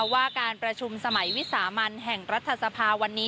ว่าการประชุมสมัยวิสามันแห่งรัฐสภาวันนี้